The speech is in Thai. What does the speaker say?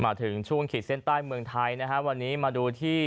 มาถึงช่วงขีดเส้นใต้เมืองไทยนะฮะวันนี้มาดูที่